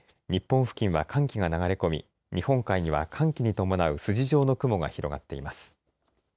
日本付近は寒気が流れ込み日本海には寒気に伴う筋状の雲が広がっています。